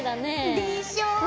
でしょ！